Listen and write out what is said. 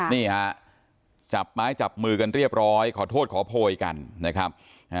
นี่ฮะจับไม้จับมือกันเรียบร้อยขอโทษขอโพยกันนะครับ